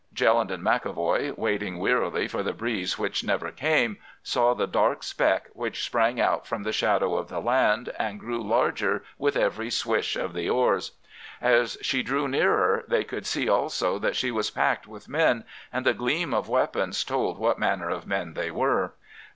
"Jelland and McEvoy, waiting wearily for the breeze which never came, saw the dark speck which sprang out from the shadow of the land and grew larger with every swish of the oars. As she drew nearer, they could see also that she was packed with men, and the gleam of weapons told what manner of men they were.